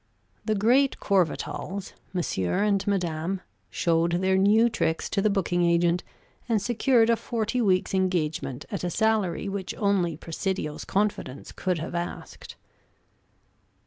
The Great Courvatals, Monsieur and Madame, showed their new tricks to the booking agent and secured a forty weeks' engagement at a salary which only Presidio's confidence could have asked.